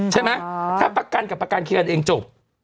ใช่ไหมถ้าประกันกับประกันเคลียร์กันเองจบ